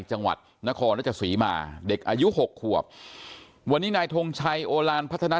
จังหวัดนครรัชศรีมาเด็กอายุหกขวบวันนี้นายทงชัยโอลานพัฒนา